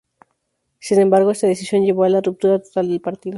Sin embargo, esta decisión llevó a la ruptura total del partido.